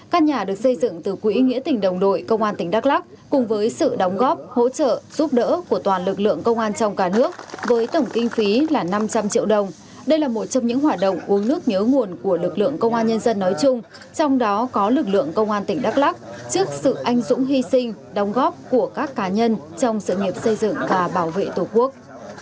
các nhà được xây dựng từ quỹ nghĩa tỉnh đồng đội công an tỉnh đắk lắc cùng với sự đóng góp hỗ trợ giúp đỡ của toàn lực lượng công an trong cả nước với tổng kinh phí là năm trăm linh triệu đồng đây là một trong những hoạt động uống nước nhớ nguồn của lực lượng công an nhân dân nói chung trong đó có lực lượng công an tỉnh đắk lắc trước sự anh dũng hy sinh đóng góp của các cá nhân trong sự nghiệp xây dựng và bảo vệ tổ quốc